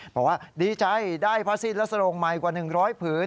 บอกว่าดีใจได้ผ้าสิ้นและสโรงใหม่กว่า๑๐๐ผืน